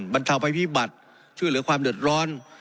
บรรเทาภัยพิบัติช่วยเหลือความเดือดร้อน